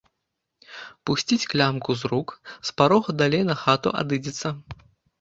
Пусціць клямку з рук, з парога далей на хату адыдзецца.